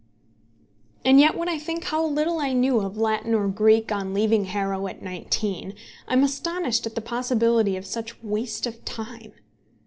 And yet when I think how little I knew of Latin or Greek on leaving Harrow at nineteen, I am astonished at the possibility of such waste of time.